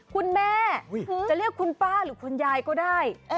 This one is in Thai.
คุณแม่จะเรียกคุณป้าหรือคุณยายก็ได้